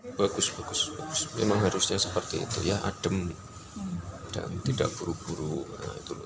bagus bagus bagus memang harusnya seperti itu ya adem dan tidak buru buru